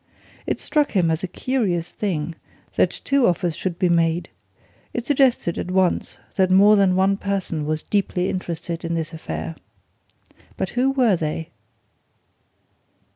It struck him as a curious thing that two offers should be made it suggested, at once, that more than one person was deeply interested in this affair. But who were they?